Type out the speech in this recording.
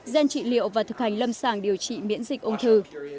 gen trị liệu và thực hành lâm sàng điều trị miễn dịch ung thư